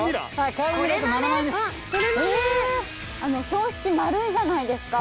標識丸いじゃないですか。